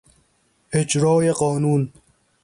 اجرای قانون